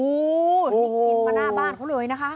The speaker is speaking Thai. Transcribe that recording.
สุดทนแล้วกับเพื่อนบ้านรายนี้ที่อยู่ข้างกัน